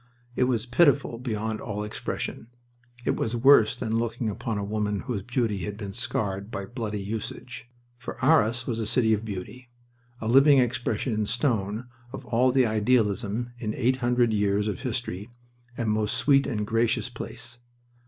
It was pitiful beyond all expression. It was worse than looking upon a woman whose beauty had been scarred by bloody usage. For Arras was a city of beauty a living expression in stone of all the idealism in eight hundred years of history, a most sweet and gracious place.